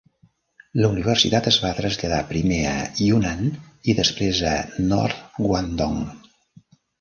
La universitat es va traslladar primer a Yunnan, i després a North Guangdong.